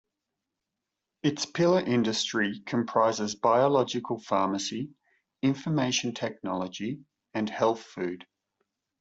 Its pillar industry comprises biological pharmacy, Information technology and Health food.